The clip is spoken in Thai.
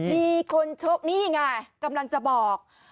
มีคนชกนี่ไงกำลังจะบอก